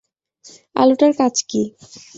আলোটার কাজ কী?